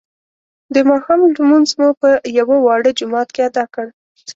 د ماښام لمونځ مو په یوه واړه جومات کې ادا کړ.